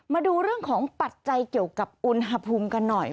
มาดูเรื่องของปัจจัยเกี่ยวกับอุณหภูมิกันหน่อย